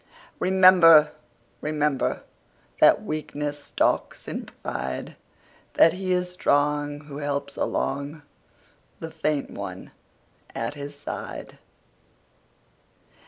Remember, rememberThat weakness stalks in pride; That he is strong who helps alongThe faint one at his side.